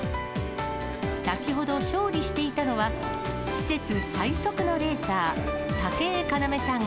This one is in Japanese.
先ほど勝利していたのは、施設最速のレーサー、竹江要さん